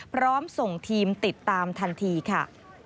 พร้อมส่งทีมติดตามทันทีค่ะ